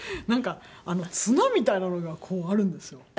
なんか綱みたいなのがこうあるんですよ。